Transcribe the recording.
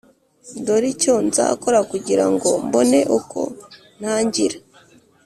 Dore icyo nzakora kugira ngo mbone uko ntangira